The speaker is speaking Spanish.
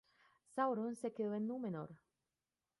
Sauron se quedó en Númenor.